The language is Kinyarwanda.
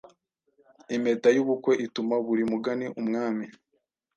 impeta yubukwe Ituma buri mugani umwami